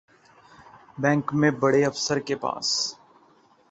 bank میں بڑے افسر کے پاس